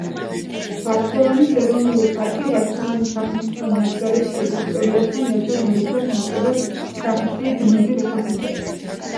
ვაშლოვანის ეროვნული პარკი ვაშლოვანის სახელმწიფო ნაკრძალის ტერიტორიასთან ერთად მოიცავს ნაკლებად სახეცვლილ ბუნებრივ ეკოსისტემებს.